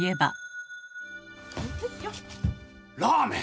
ラーメン！